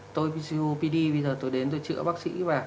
tôi copd bây giờ tôi đến tôi chữa bác sĩ